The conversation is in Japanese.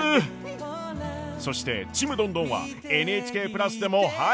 そして「ちむどんどん」は「ＮＨＫプラス」でも配信中！